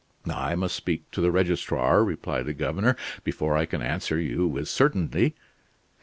"I must speak to the registrar," replied the governor, "before I can answer you with certainty.